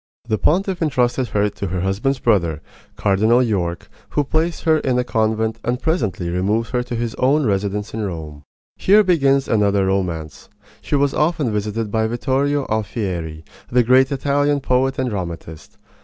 The pontiff intrusted her to her husband's brother, Cardinal York, who placed her in a convent and presently removed her to his own residence in Rome. Here begins another romance. She was often visited by Vittorio Alfieri, the great Italian poet and dramatist.